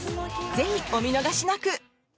ぜひお見逃しなく！